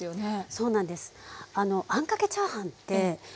そうなんです。